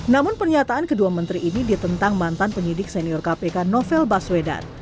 namun pernyataan kedua menteri ini ditentang mantan penyidik senior kpk novel baswedan